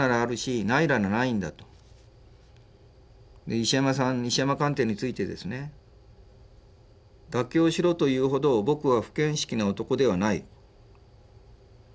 石山さん石山鑑定についてですね「妥協しろというほど僕は不見識な男ではない」。